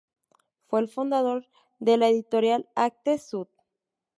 Fue el fundador de la editorial Actes Sud.